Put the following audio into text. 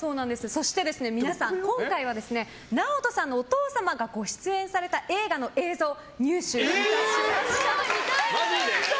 そして、皆さん今回はＮＡＯＴＯさんのお父様がご出演された映画の映像を入手いたしました。